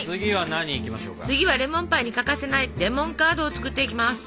次はレモンパイに欠かせないレモンカードを作っていきます。